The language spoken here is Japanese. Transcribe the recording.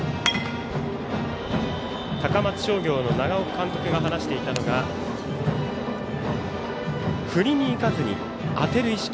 高松商業の長尾監督が話していたのは振りにいかずに当てる意識。